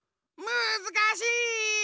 むずかしい。